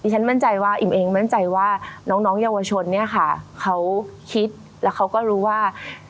ฉันอิ่มเองมั่นใจว่าน้องเยาวชนเขาคิดและเขาก็รู้ว่า